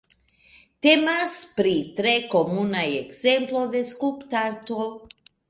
Temas pri tre komuna ekzemplo de skulptarto.